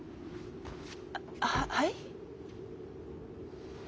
あははい？